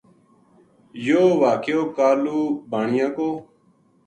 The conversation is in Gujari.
یوہ واقعو کالو بانیا کو